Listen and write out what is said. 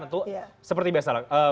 tentu seperti biasa lah